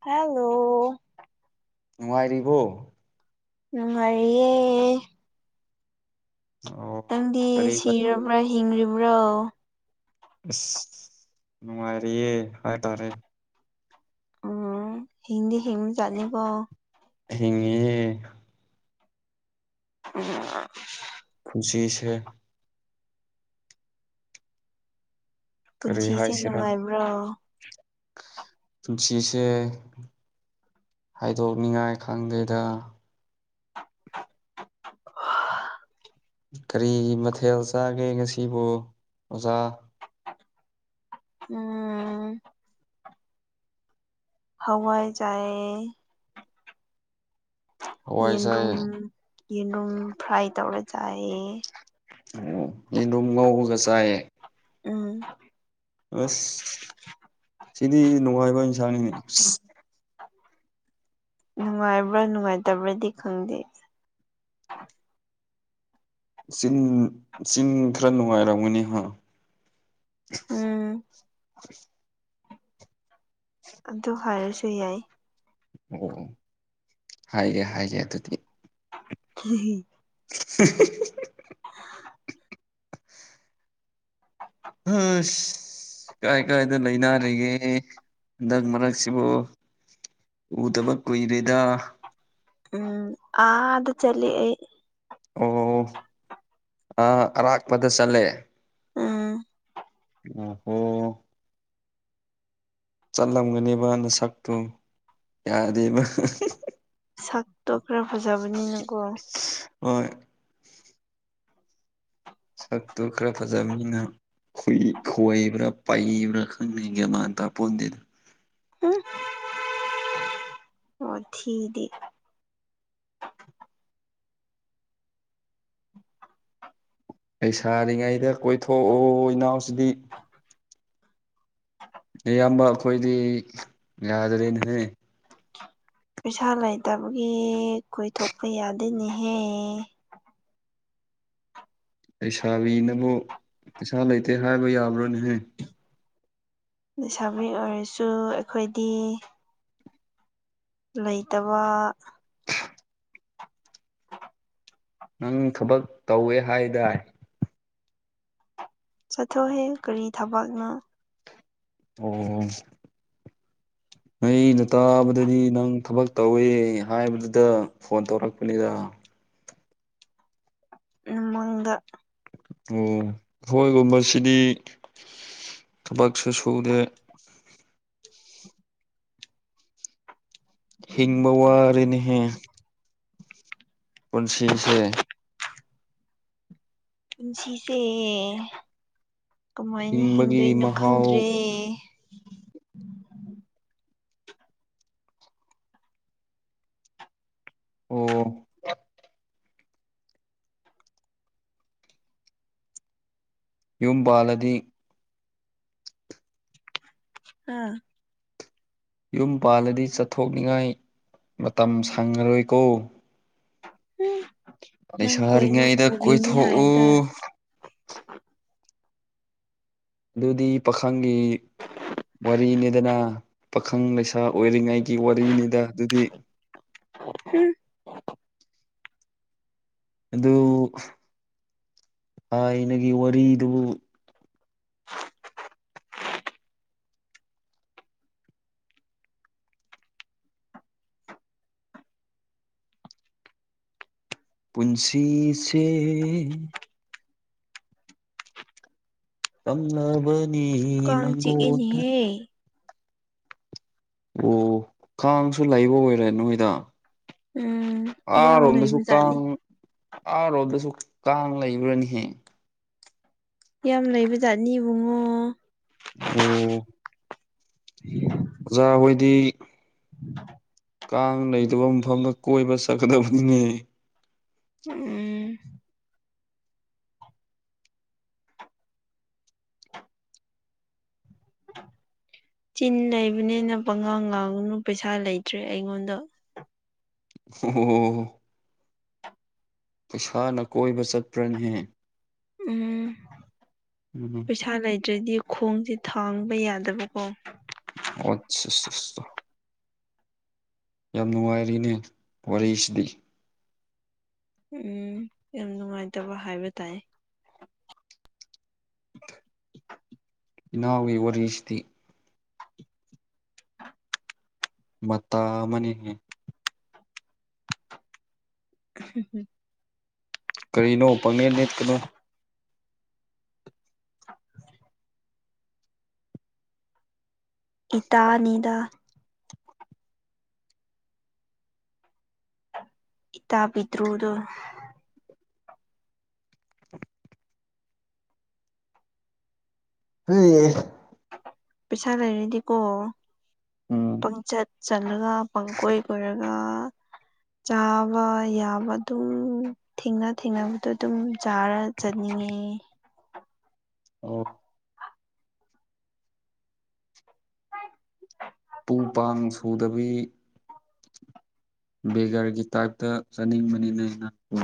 hello ꯅꯨꯡꯉꯥꯏꯔꯤꯕꯣ ꯅꯨꯡꯉꯥꯏꯔꯤꯌꯦ ꯑꯣ ꯅꯪꯗꯤ ꯀꯔꯤ ꯃꯊꯦꯜ ꯁꯤꯔꯕ꯭ꯔ ꯍꯤꯡ꯭ꯔꯤꯕ꯭ꯔꯣ ꯑꯁ ꯅꯨꯡꯉꯥꯏꯔꯤꯌꯦ ꯍꯥꯏꯇꯥꯔꯦ ꯎꯝ ꯍꯤꯡꯗꯤ ꯍꯤꯡꯕꯖꯥꯠꯅꯤꯀꯣ ꯍꯉꯦ ꯎꯝ ꯈꯨꯟꯁꯤꯁꯦ ꯀꯔꯤ ꯄꯨꯟꯁꯤꯁꯦ ꯍꯥꯏꯁꯤꯔꯥ ꯅꯨꯡꯉꯥꯏꯕ꯭ꯔꯥ ꯄꯨꯟꯁꯤꯁꯦ ꯍꯥꯏꯗꯣꯛꯅꯤꯉꯥꯏ ꯈꯪꯗꯦꯗ ꯀꯔꯤ ꯃꯊꯦꯜ ꯆꯥꯒꯦ ꯉꯁꯤꯕꯨ ꯑꯣꯖꯥ ꯎꯝ ꯍꯋꯥꯏ ꯆꯥꯏ ꯍꯋꯥꯏ ꯌꯦꯟꯗꯨꯝ ꯆꯥꯏꯌꯦ ꯌꯦꯟꯔꯨꯝ ꯐ꯭ꯔꯥꯏ ꯇꯧꯔ ꯆꯥꯏꯑ ꯑꯣ ꯌꯦꯟ ꯑꯗꯨꯝ ꯉꯧꯕꯒ ꯆꯥꯏꯌꯦ ꯎꯝ ꯑꯁ ꯁꯤꯗꯤ ꯅꯨꯡꯉꯥꯏꯕ ꯏꯟꯁꯥꯡꯅꯤꯅꯦ ꯅꯨꯡꯉꯥꯏꯕ꯭ꯔꯥ ꯅꯨꯡꯉꯥꯏꯇꯕ꯭ꯔꯗꯤ ꯈꯪꯗꯦ ꯆꯤꯟ ꯆꯤꯟ ꯈꯔ ꯅꯨꯡꯉꯥꯏꯔꯝꯒꯅꯤ ꯍꯥ ꯎꯝ ꯑꯗꯨ ꯍꯥꯏꯔꯁꯨ ꯌꯥꯏ ꯑꯣ ꯍꯥꯏꯌꯦ ꯍꯥꯏꯌꯦ ꯑꯗꯨꯗꯤ ꯎꯝ [inaudible] [inaudible] ꯍꯁ ꯀꯥꯏ ꯀꯥꯏꯗ ꯂꯩꯅꯔꯤꯒꯦ ꯍꯟꯗꯛ ꯃꯔꯛꯁꯤꯕꯨ ꯎꯗꯕ ꯀꯣꯏ ꯔꯦꯗꯥ ꯎꯝ ꯑ ꯑꯗ ꯆꯂ ꯑꯣ ꯑ ꯑꯔꯥꯛꯄꯗ ꯆꯠꯂꯦ ꯑꯥ ꯑ ꯍꯣ ꯆꯠꯂꯝꯒꯅꯦꯕꯅ ꯁꯛꯇꯨ ꯌꯥꯗꯦꯕ ꯁꯛ ꯇꯣꯛꯈ꯭ꯔ ꯐꯖꯕꯅꯤꯅꯀꯣ ꯍꯣꯏ ꯁꯛꯇꯨ ꯈꯔ ꯐꯖꯕꯅꯤꯅ ꯈꯣꯏꯕ꯭ꯔꯥ ꯄꯩꯕ꯭ꯔꯥ ꯈꯪꯅꯤꯡꯒꯦ ꯃꯥꯥꯟ ꯇꯄꯣꯟꯗꯦꯗ ꯎ ꯑꯣ ꯊꯤꯗꯤ ꯂꯩꯁꯥꯔꯤꯉꯩꯗ ꯀꯣꯏꯊꯣꯛꯑꯣ ꯏꯅꯥꯎꯁꯤꯗꯤ ꯅꯌꯥꯝꯕ ꯑꯩꯈꯣꯏꯗꯤ ꯌꯥꯗꯔꯦꯅꯦꯍꯦ ꯄꯩꯁꯥ ꯂꯩꯇꯕꯒꯤ ꯀꯣꯏꯊꯣꯛꯄ ꯌꯥꯗꯦꯅꯦꯍꯦ ꯂꯩꯁꯥꯕꯤꯅꯕꯨ ꯄꯩꯁꯥ ꯂꯩꯇꯦ ꯍꯥꯏꯕ ꯌꯥꯕ꯭ꯔꯣ ꯅꯦꯍꯦ ꯂꯩꯁꯥꯕꯤ ꯑꯣꯏꯔꯁꯨ ꯑꯩꯈꯣꯏꯗꯤ ꯂꯩꯇꯕ ꯅꯪ ꯊꯕꯛ ꯇꯧꯋꯦ ꯍꯥꯏꯗꯥꯏ ꯆꯠꯊꯣꯍꯦ ꯀꯔꯤ ꯊꯕꯛꯅꯣ ꯑꯣ ꯑꯩꯅ ꯇꯥꯕꯗꯗꯤ ꯅꯪ ꯊꯕꯛ ꯇꯧꯋꯦ ꯍꯥꯏꯕꯗꯨꯗ ꯐꯣꯟ ꯇꯧꯔꯛꯄꯅꯤꯗ ꯃꯒ ꯑꯣ ꯑꯈꯣꯏꯒꯨꯝꯕꯁꯤꯗꯤ ꯊꯕꯛꯁꯨ ꯁꯨꯗꯦ ꯍꯤꯡꯕ ꯋꯥꯔꯦꯅꯦꯍꯦ ꯄꯨꯟꯁꯤꯁꯦ ꯄꯨꯟꯁꯤꯁꯦ ꯀꯃꯥꯏꯅ ꯍꯤꯡꯕꯒꯤ ꯍꯤꯡꯗꯣꯏꯅꯣ ꯃꯍꯥꯎ ꯈꯪꯗ꯭ꯔꯦ ꯑꯣ ꯌꯨꯝ ꯄꯥꯜꯂꯗꯤ ꯑꯥ ꯌꯨꯝ ꯄꯥꯜꯂꯗꯤ ꯆꯠꯊꯣꯛꯅꯤꯡꯉꯥꯏ ꯃꯇꯝ ꯁꯪꯉꯔꯣꯏꯀꯣ ꯎꯝ ꯅꯪ ꯀꯣꯏꯕ ꯂꯩꯁꯥꯔꯤꯉꯩꯗ ꯄꯨꯕꯤꯅꯤ ꯀꯣꯏꯊꯣꯛꯎ ꯍꯥꯏꯗꯥꯢ ꯑꯗꯨꯗꯤ ꯄꯥꯈꯪꯒꯤ ꯋꯥꯔꯤꯅꯤꯗꯅ ꯄꯥꯈꯪ ꯂꯩꯁꯥ ꯑꯣꯏꯔꯤꯉꯩꯒꯤ ꯋꯥꯔꯤꯅꯤꯗ ꯑꯗꯨꯗꯤ ꯍꯨꯝ ꯑꯗꯨ ꯊꯥꯏꯅꯒꯤ ꯋꯥꯔꯤꯗꯨꯕꯨ ꯄꯨꯟꯁꯤꯁꯦ ꯇꯝꯂꯕꯅꯤ ꯀꯥꯡ ꯅꯉꯣꯟꯗ ꯆꯤꯛꯏꯅꯦꯍꯦ ꯑꯣ ꯀꯥꯡꯁꯨ ꯂꯩꯕ ꯑꯣꯏꯔꯦ ꯅꯣꯏꯗ ꯎꯝ ꯌꯥꯝ ꯑꯥꯔꯣꯝꯗꯁꯨ ꯂꯩꯕꯖꯥꯠꯅꯤ ꯀꯥꯡ ꯑꯥꯔꯣꯝꯗꯁꯨ ꯀꯥꯡ ꯂꯩꯕ꯭ꯔꯅꯦꯍꯦ ꯌꯥꯝ ꯂꯩꯕ ꯖꯥꯠꯅꯤ ꯏꯕꯨꯡꯉꯣ ꯑꯣ ꯎ [inaudible] ꯑꯣꯖꯥ ꯍꯣꯏꯗꯤ [inaudible] ꯀꯥꯡ ꯂꯩꯇꯕ ꯃꯐꯝꯗ ꯀꯣꯏꯕ ꯆꯠꯀꯗꯕꯅꯤꯅꯦ ꯎꯝ ꯆꯤꯟ ꯂꯩꯕꯅꯦꯅ ꯄꯉꯥꯡ ꯉꯥꯡꯅꯨ ꯄꯩꯁꯥ ꯂꯩꯇ꯭ꯔꯦ ꯑꯩꯉꯣꯟꯗ ꯑꯣ ꯄꯩꯁꯥꯅ ꯀꯣꯏꯕ ꯆꯠꯄ꯭ꯔꯅꯦꯍꯦ ꯎꯝ ꯎꯝ ꯄꯩꯁꯥ ꯂꯩꯗ꯭ꯔꯗꯤ ꯈꯣꯡꯁꯦ ꯊꯥꯡꯕ ꯌꯥꯗꯕꯀꯣ ꯑꯠ [inaudible] ꯌꯥꯝ ꯅꯨꯡꯉꯥꯏꯔꯤꯅꯦ ꯋꯥꯔꯤꯁꯤꯗꯤ ꯎꯝ ꯌꯥꯝ ꯅꯨꯡꯉꯥꯏꯇꯕ ꯍꯥꯏꯕ ꯇꯥꯏꯌꯦ ꯏꯅꯥꯎꯒꯤ ꯋꯥꯔꯤꯁꯤꯗꯤ ꯃꯇꯥ ꯑꯃꯅꯤꯅꯦ [inaudible] ꯀꯔꯤꯅꯣ ꯄꯪꯅꯦꯠ ꯅꯦꯠꯀꯅꯣ [inaudible] ꯏꯇꯥꯅꯤꯗ ꯏꯇꯥ ꯄꯤꯗ꯭ꯔꯨꯗꯣ ꯍꯩꯌꯦ ꯄꯩꯁꯥ ꯂꯩꯔꯗꯤꯀꯣ ꯎꯝ ꯄꯪꯆꯠ ꯆꯠꯂꯒ ꯄꯪꯀꯣꯏ ꯀꯣꯏꯔꯒ ꯆꯥꯕ ꯌꯥꯕ ꯑꯗꯨꯝ ꯊꯦꯡꯅ ꯊꯦꯡꯅꯕꯗꯣ ꯑꯗꯨꯝ ꯆꯥꯔ__ ꯆꯠꯅꯤꯡꯉꯦ ꯑꯣ [unintelligible] ꯄꯨ ꯄꯥꯡ ꯁꯨꯗꯕꯤ ꯕꯦꯒꯔꯒꯤ ꯇꯥꯏꯞꯇ ꯆꯠꯅꯤꯡꯕꯅꯤꯅ ꯅꯪ ꯑꯣ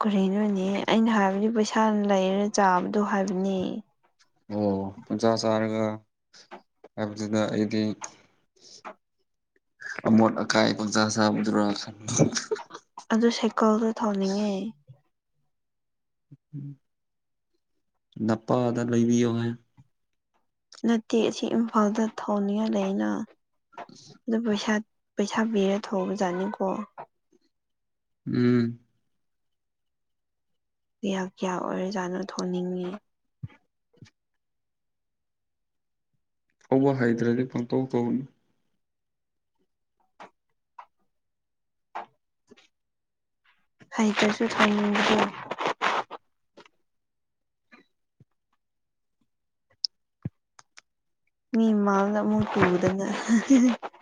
ꯀꯔꯤꯅꯣꯅꯦ ꯑꯩꯅ ꯍꯥꯏꯕꯗꯤ ꯄꯩꯁꯥ ꯂꯩꯔ ꯆꯥꯕꯗꯣ ꯍꯥꯏꯕꯅꯦ ꯑꯣ ꯄꯪꯁꯥ ꯆꯥꯔꯒ ꯍꯥꯏꯕꯁꯤꯗ ꯑꯩꯗꯤ ꯑꯃꯣꯠ ꯑꯀꯥꯏ ꯄꯪꯆꯥ ꯆꯥꯕꯗꯨꯔꯥ ꯈꯟꯕ ꯑꯗꯨ ꯁꯥꯏꯀꯜꯗꯣ ꯊꯧꯅꯤꯡꯉꯦ ꯅꯄꯥꯗ ꯂꯩꯕꯤꯌꯣ ꯍꯥꯏꯌꯣ ꯅꯠꯇꯦ ꯑꯁꯤ ꯏꯝꯐꯥꯜꯗ ꯊꯧꯅꯤꯡꯉꯥꯏ ꯂꯩꯌꯦꯅ [inaudible] ꯑꯗꯨ ꯄꯩꯁꯥ ꯄꯩꯁꯥ ꯄꯤꯔ ꯊꯧꯕꯖꯥꯠꯅꯤꯀꯣ ꯎꯝ ꯀꯌꯥ ꯀꯌꯥ ꯑꯣꯏꯔꯖꯥꯠꯅꯣ ꯊꯧꯅꯤꯡꯉꯦ ꯊꯧꯕ ꯍꯩꯇ꯭ꯔꯗꯤ ꯄꯪꯇꯧ ꯇꯧꯒꯅꯨ ꯍꯩꯇ꯭ꯔꯁꯨ ꯊꯧꯅꯤꯡꯕꯗꯣ ꯃꯤ ꯃꯃꯥꯡꯗ ꯑꯃꯨꯛ ꯇꯨꯗꯅ [unintelligible]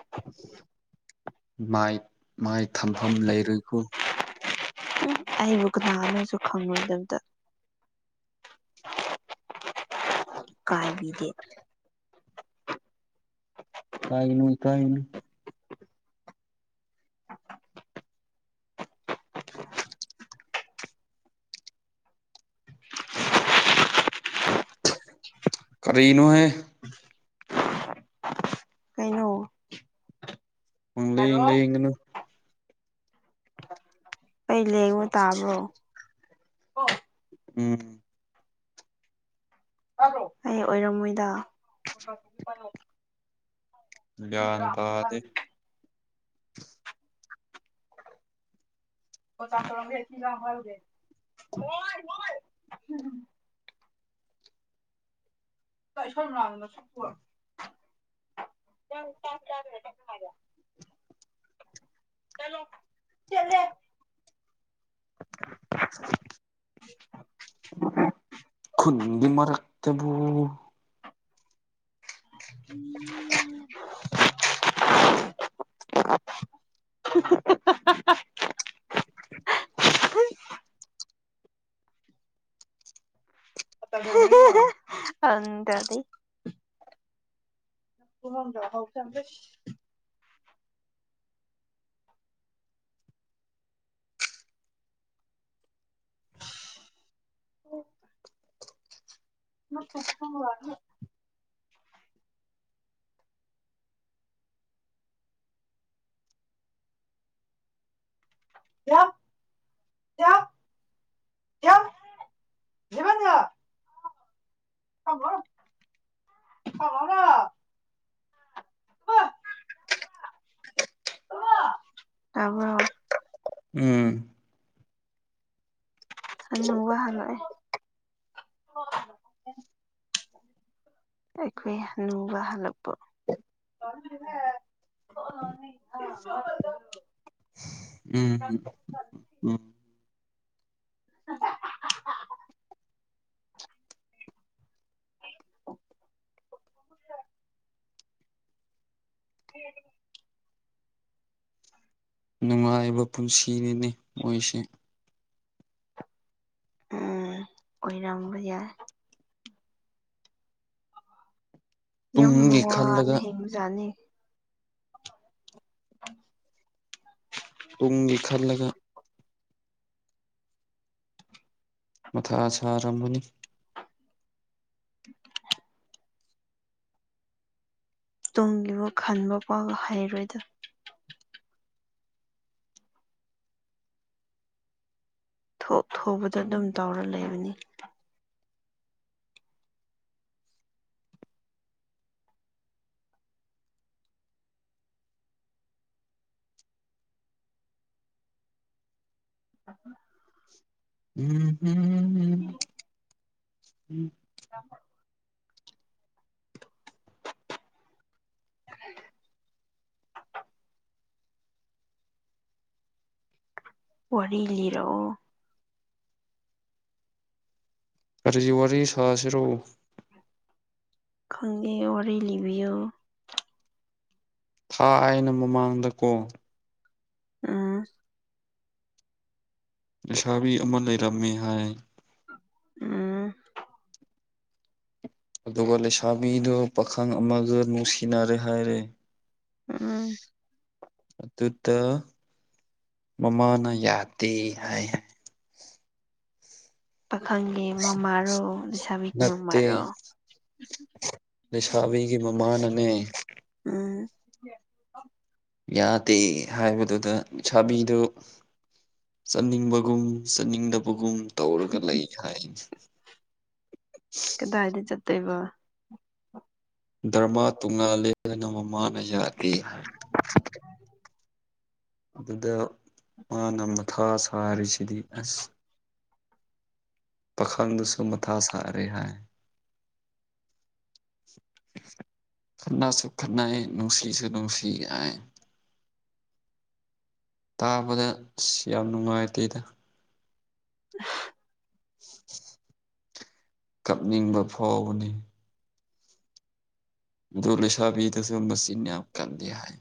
ꯃꯥꯏꯞ ꯃꯥꯏ ꯊꯝꯐꯝ ꯂꯩꯔꯣꯏꯀꯣ ꯍꯨꯝꯞ ꯑꯩꯕꯨꯨ ꯀꯅꯥꯅꯣꯁꯨ ꯈꯪꯔꯣꯏꯗꯕꯗ ꯏꯀꯥꯏꯕꯤꯗꯦ ꯏꯀꯥꯏꯒꯅꯨ ꯏꯀꯥꯏꯒꯅꯨ [unintelligible] [unintelligible] ꯀꯔꯤꯅꯣꯍꯦ ꯀꯩꯅꯣ ꯄꯪꯂꯦꯡ ꯂꯦꯡꯒꯅꯨ ꯑꯩ ꯂꯦꯡꯕ ꯇꯥꯕ꯭ꯔꯣ ꯎꯝ [unintelligible] ꯑꯩ ꯑꯣꯏꯔꯝꯃꯣꯏꯗꯥ ꯒ꯭ꯌꯥꯟ ꯇꯥꯗꯦ [unintelligible] [unintelligible] ꯅꯪ ꯆꯥꯛ ꯆꯥꯗꯅ ꯆꯠꯅꯨ ꯍꯥꯏꯕ꯭ꯔꯥ ꯆꯠꯂꯣ ꯆꯠꯂꯦ [unintelligible] ꯈꯨꯨꯟ ꯒꯤ ꯃꯔꯛꯇꯕꯨ [unintelligible] [unintelligible] ꯑꯪ ꯇꯧꯗꯤ [unintelligible] [unintelligible] [unintelligible] ꯌꯥꯝ [unintelligible] [inaudible] [unintelligible] ꯇꯥꯕ꯭ꯔꯣ ꯎꯝ ꯑꯅꯧꯕ ꯍꯜꯂꯛꯑꯦ ꯑꯩꯈꯣꯏ ꯍꯅꯨꯕ ꯍꯜꯂꯛꯄ [unintelligible] ꯎꯝ ꯎꯝ [inaudible] ꯅꯨꯡꯉꯥꯏꯕ ꯄꯨꯟꯁꯤꯅꯤꯅꯦ ꯃꯣꯏꯁꯦ ꯎꯝ ꯑꯣꯏꯔꯝꯕ ꯌꯥꯏ ꯌꯥꯝ ꯇꯨꯡꯒꯤ ꯋꯥꯅ ꯈꯜꯂꯒ ꯍꯤꯡꯕꯖꯥꯠꯅꯤ [unintelligible] ꯇꯨꯡꯒꯤ ꯈꯜꯂꯒ ꯃꯊꯥ ꯁꯥꯔꯝꯒꯅꯤ [unintelligible] ꯇꯨꯡꯒꯤꯕꯨ ꯈꯟꯕ ꯄꯥꯛ ꯍꯩꯔꯣꯏꯗ ꯊꯣꯛ ꯊꯣꯕꯗ ꯑꯗꯨꯝ ꯇꯧꯔ ꯂꯩꯕꯅꯤ [inaudible] ꯎꯝꯍꯝꯝ [inaudible] [inaudible] ꯋꯥꯔꯤ ꯂꯤꯔꯛꯑꯣ ꯀꯔꯤꯒꯤ ꯋꯥꯔꯤ ꯁꯥꯁꯤꯔꯣ ꯈꯪꯉꯦ ꯋꯥꯔꯤ ꯂꯤꯕꯤꯌꯣ ꯊꯥ ꯑꯥꯏꯅ ꯃꯃꯥꯡꯗ ꯀꯣ ꯑꯝ ꯂꯩꯁꯥꯕꯤ ꯑꯃ ꯂꯩꯔꯝꯃꯤ ꯍꯥꯏ ꯎꯝ ꯑꯗꯨꯒ ꯂꯩꯁꯥꯕꯤꯗꯨꯣ ꯄꯥꯈꯪ ꯑꯃꯒ ꯅꯨꯡꯁꯤꯅꯔꯦ ꯍꯥꯏꯔꯦ ꯎꯝ ꯑꯗꯨꯗ ꯃꯃꯥꯅ ꯌꯥꯗꯦ ꯍꯥꯏ ꯄꯥꯈꯪꯒꯤ ꯃꯃꯥꯔꯣ ꯂꯩꯁꯥꯕꯤꯒꯤ ꯃꯃꯥꯔꯣ ꯅꯠꯇꯦ ꯂꯩꯁꯥꯕꯤꯒꯤ ꯃꯃꯥꯅꯅꯦ ꯎꯝ ꯌꯥꯗꯦ ꯍꯥꯏꯕꯗꯨꯗ ꯁꯥꯕꯤꯗꯨ ꯆꯠꯅꯤꯡꯕꯒꯨꯝ ꯆꯠꯅꯤꯡꯗꯕꯒꯨꯝ ꯇꯧꯔꯒ ꯂꯩꯈꯔꯦ ꯗꯥꯏꯗ ꯆꯠꯇꯣꯏꯕ ꯗꯔꯃꯥ ꯇꯣꯡꯉꯥꯜꯂꯦꯅ ꯅꯣꯡꯃ ꯃꯥꯅ ꯌꯥꯗꯦ ꯑꯗꯨꯗ ꯃꯥꯅ ꯃꯊꯥ ꯁꯥꯔꯤꯁꯤꯗꯤ ꯑꯁ ꯄꯥꯈꯪꯗꯨꯁꯨ ꯃꯊꯥ ꯁꯥꯔꯦ ꯍꯥꯏ ꯈꯠꯅꯁꯨ ꯈꯠꯅꯩ ꯅꯨꯡꯁꯤꯁꯨ ꯅꯨꯡꯁꯤꯅꯩ ꯇꯥꯕꯗ ꯁ ꯌꯥꯝ ꯅꯨꯡꯉꯥꯏꯇꯦꯗ [inaudible] ꯀꯞꯅꯤꯡꯕ ꯐꯥꯎꯕꯅꯤ ꯗꯨ ꯂꯩꯁꯥꯕꯤꯗꯁꯨ ꯃꯆꯤꯟ ꯌꯥꯝ ꯀꯟꯗꯤ ꯍꯥꯏ